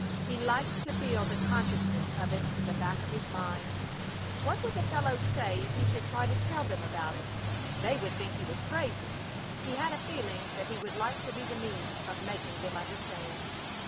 He liked to feel the consciousness of it in the back of his mind. What would the fellows say if he should try to tell them about it? They would think he was crazy. He had a feeling that he would like to be the means of making them understand.